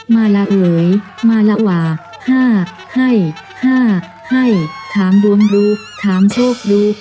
มาละเหรอมาล่ะว่าห้าให้ห้าให้ถามดวมรู้ถามโชครู้